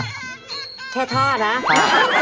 แค่ท่านะ